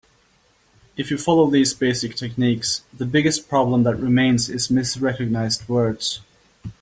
If you follow these basic techniques, the biggest problem that remains is misrecognized words.